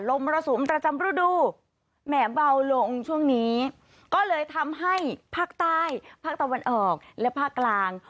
มรสุมประจำฤดูแหมเบาลงช่วงนี้ก็เลยทำให้ภาคใต้ภาคตะวันออกและภาคกลาง